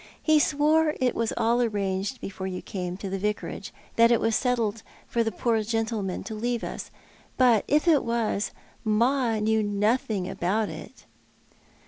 Ho swore it was all arranged before you came to the Vicarage— that it was settled for the poor gentleman to leave us. But, if it was. Ma knew nothing about it."